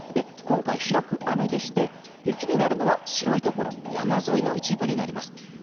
今回、広く雨でして雪になるのは白いところ山沿いの一部になります。